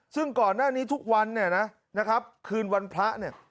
ซึ่งก่อนหน้านี้ทุกวันเนี่ยนะนะครับคืนวันพระเนี่ย